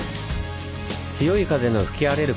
強い風の吹き荒れる